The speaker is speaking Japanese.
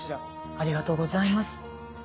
ありがとうございます。